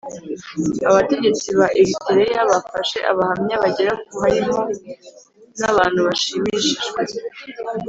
Abategetsi ba eritereya bafashe abahamya bagera ku harimo n abantu bashimishijwe